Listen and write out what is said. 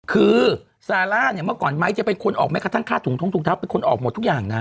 คือซาร่าเนี่ยเมื่อก่อนไม้จะเป็นคนออกแม้กระทั่งค่าถุงท้องถุงเท้าเป็นคนออกหมดทุกอย่างนะ